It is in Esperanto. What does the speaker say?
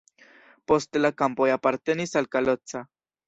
Poste la kampoj apartenis al Kalocsa.